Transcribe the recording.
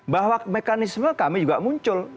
bahwa mekanisme kami juga muncul